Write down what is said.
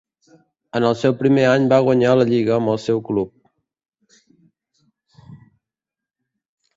En el seu primer any va guanyar la Lliga amb el seu club.